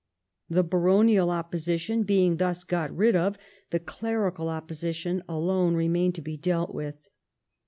The baronial opposition being thus got rid of, the clerical opposition alone remained to be dealt with.